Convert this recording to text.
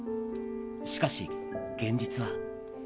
しかし、現実は。